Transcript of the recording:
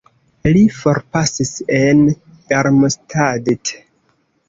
Li forpasis en Darmstadt.